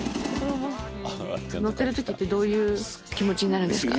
乗ってる時ってどういう気持ちになるんですか？